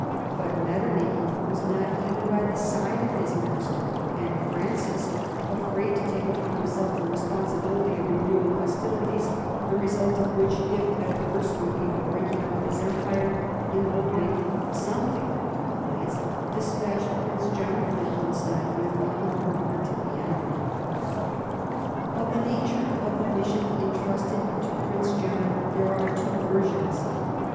But Metternich was not even by the side of his master ; and Francis, afraid to take upon himself the responsibility of renewing^ hostilities, the result of which, if adverse, would be the breaking up of his Empire, and hoping something from, compliance, despatched Prince John of Liechtenstein with Count Bubna to Vienna. Of the nature of the mission entrusted to Prince John there are two versions.